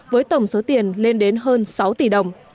với tổng số tiền lên đến hơn sáu tỷ đồng